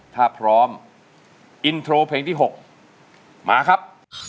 ถ้าพร้อมอินโทรเพลงที่๖มาครับ